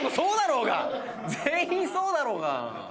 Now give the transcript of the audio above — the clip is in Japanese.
全員そうだろうが！